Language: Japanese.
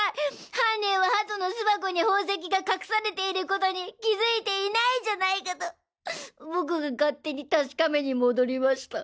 犯人はハトの巣箱に宝石が隠されていることに気づいていないんじゃないかと僕が勝手に確かめに戻りました。